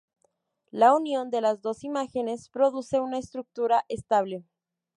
La unión de las dos imágenes produce una estructura estable.